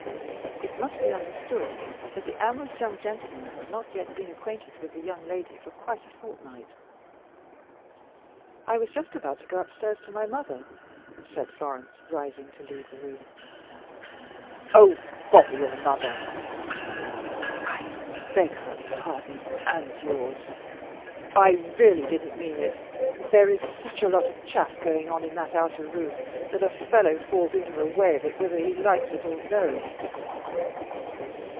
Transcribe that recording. It must be understood that the amorous young gentleman had not yet been acquainted with the young lady for quite a fortnight. "I was just about to go up stairs to my mother," said Florence, rising to leave the room. "Oh, bother your mother! I beg her pardon and yours; I really didn't mean it. There is such a lot of chaff going on in that outer room, that a fellow falls into the way of it whether he likes it or no."